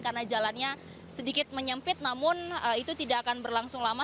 karena jalannya sedikit menyempit namun itu tidak akan berlangsung lama